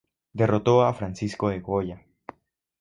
Derrotó a Francisco de Goya.